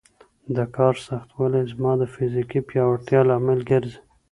د کار سختوالی زما د فزیکي پیاوړتیا لامل ګرځي.